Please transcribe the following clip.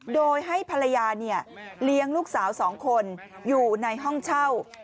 โดยให้ภรรยาเลี้ยงลูกสาว๒คนอยู่ในห้องเช่า